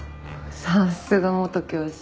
さすが元教師。